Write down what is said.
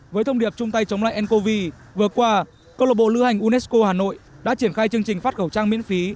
với thông điệp chung tay chống lại ncov vừa qua câu lạc bộ lưu hành unesco hà nội đã triển khai chương trình phát khẩu trang miễn phí